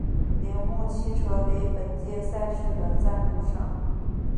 铃木汽车为本届赛事的赞助商。